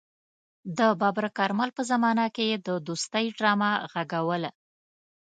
د ببرک کارمل په زمانه کې يې د دوستۍ ډرامه غږوله.